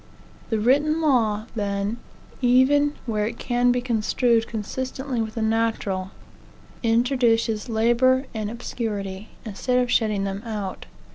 The written law, then, even where it can be construed consistently with the natural, introduces labor and obscurity, instead of shutting them out.